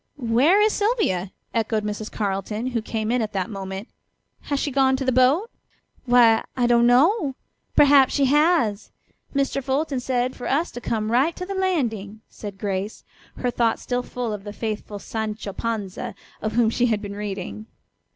"Where is Sylvia?" echoed Mrs. Carleton, who came in at that moment. "Has she gone to the boat?" "Why, I don't know. Perhaps she has. Mr. Fulton said for us to come right to the landing," said Grace, her thoughts still full of the faithful Sancho Panza of whom she had been reading.